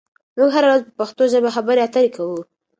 موږ هره ورځ په پښتو ژبه خبرې اترې کوو.